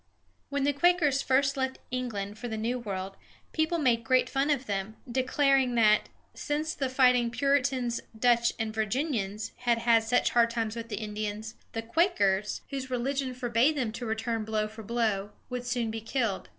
When the Quakers first left England for the New World, people made great fun of them, declaring that, since the fighting Puritans, Dutch, and Virginians had such hard times with the Indians, the Quakers, whose religion forbade them to return blow for blow, would soon be killed.